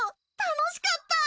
楽しかった！